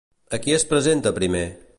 A qui es presenta primer?